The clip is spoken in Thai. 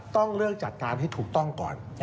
ต้องเลิกจัดการให้ถูกต้องก่อน